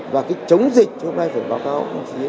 và cái chống dịch hôm nay phải báo cáo